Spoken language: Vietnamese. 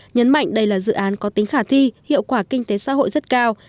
nhấn mạnh đây là dự án có tính khả thi hiệu quả kinh tế xã hội rất cao